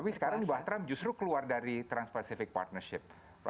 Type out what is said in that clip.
tapi sekarang bahwa trump justru keluar dari trans pacific partnership